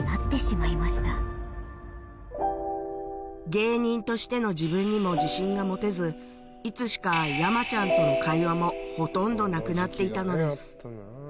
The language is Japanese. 芸人としての自分にも自信が持てずいつしか山ちゃんとの会話もほとんどなくなっていたのです